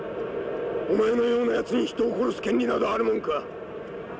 お前のようなやつに人を殺す権利などあるもんか！